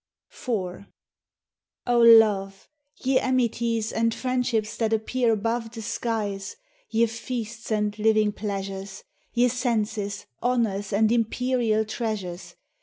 DESIRE 121 IV O Love ! Ye amities, And friendships that appear above the skies ! Ye feasts and living pleasures ! Ye senses, honours, and imperial treasures